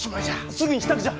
すぐに支度じゃ！